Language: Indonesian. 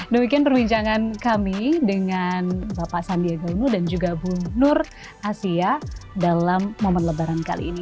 demikian perbincangan kami dengan bapak sandiaga uno dan juga bu nur asia dalam momen lebaran kali ini